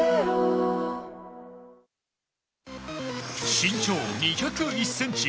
身長２０１ｃｍ。